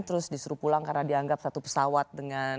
terus disuruh pulang karena dianggap satu pesawat dengan